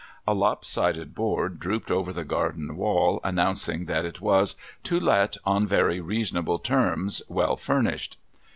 A lop sided board drooped over the garden wall, announcing that it was 'to let on very reasonable terms, well furnished.''